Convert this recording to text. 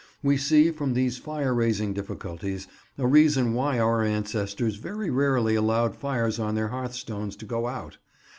We see, from these fire raising difficulties, a reason why our ancestors very rarely allowed the fires on their hearthstones to go out.